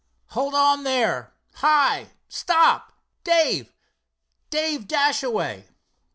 "Hold on, there. Hi, stop, Dave—Dave Dashaway!"